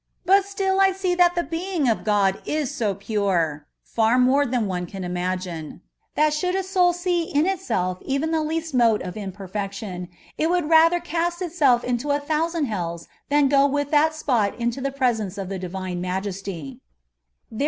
But stili I see that the Being of God is so pure (far more than one can imagine), that should a soni see in itself even the least mote of imperfection, it would rather cast it self into a thousand hells than go with that spot into the presence of the Divine Majesty.